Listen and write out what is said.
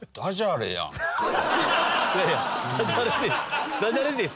いやいやダジャレです。